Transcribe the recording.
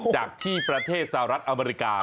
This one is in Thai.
จากที่ประเทศสหรัฐอเมริกา